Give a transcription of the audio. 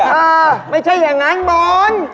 เออไม่ใช่อย่างนั้นบอล